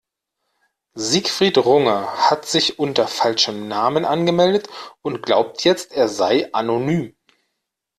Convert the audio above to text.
Siegfried Runge hat sich unter falschem Namen angemeldet und glaubt jetzt, er sei anonym.